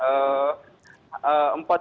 selain empat buah parang